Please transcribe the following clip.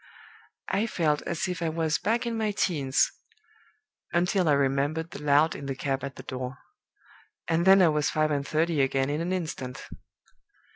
I felt as if I was back in my teens until I remembered the lout in the cab at the door. And then I was five and thirty again in an instant.